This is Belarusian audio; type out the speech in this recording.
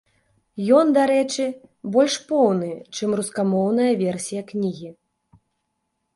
Ён, дарэчы, больш поўны, чым рускамоўная версія кнігі.